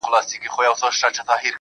که د حمزه د شعر جمالیاتي شننه کوو